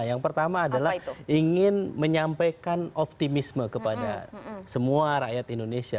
yang pertama adalah ingin menyampaikan optimisme kepada semua rakyat indonesia